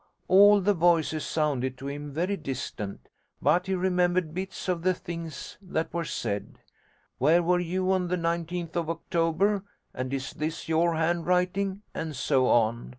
All the voices sounded to him very distant, but he remembered bits of the things that were said: "Where were you on the 19th of October?" and "Is this your handwriting?" and so on.